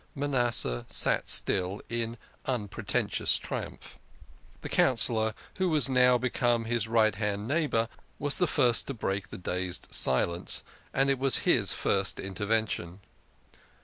Manasseh sat still, in unpretentious triumph. The Councillor who was now become his right hand neighbour was the first to break the dazed silence, and it was his first intervention.